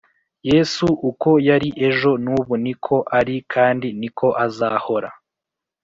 yesu uko yari ejo nubu niko ari kandi niko azahora